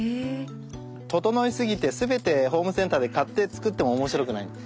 ととのいすぎてすべてホームセンターで買って作っても面白くない。